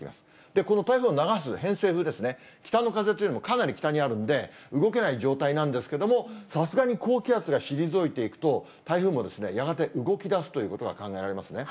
この台風を流す偏西風ですね、北の風というのはかなり北にあるんで、動けない状態なんですけども、さすがに高気圧が退いていくと、台風もやがて動きだすということが考えられますね。